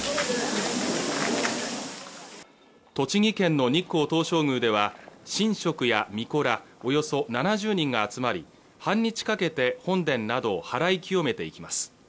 栃木県の日光東照宮では神職や巫女らおよそ７０人が集まり半日かけて本殿などを祓い清めていきます